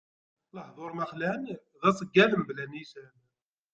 Lehduṛ ma xlan, d aṣeggad mebla nnican.